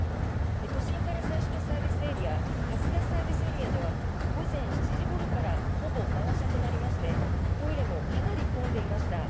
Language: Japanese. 都心から最初のサービスエリア蓮田ＳＡでは午前７時ごろからほぼ満車となりましてトイレもかなり混んでいました。